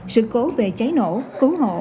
sự cố về cháy nổ cứu hộ